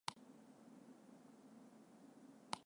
Nonsensical issues.